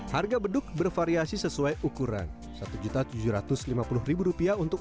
harga beduk bervariasi sesuai dengan kualitas